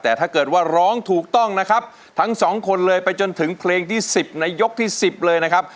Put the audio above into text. แต่ถ้าเกิดว่าร้องถูกต้องนะครับทั้งสองคนเลยไปจนถึงเพลงที่๑๐ในยกที่๑๐เลยนะครับ